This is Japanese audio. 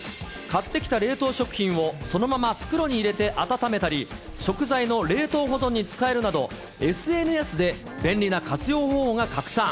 買ってきた冷凍食品をそのまま袋に入れて温めたり、食材の冷凍保存に使えるなど、ＳＮＳで便利な活用方法が拡散。